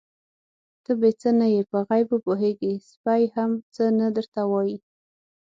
_ته بې څه نه يې، په غيبو پوهېږې، سپی هم څه نه درته وايي.